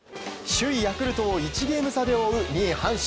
首位ヤクルトを１ゲーム差で追う２位、阪神。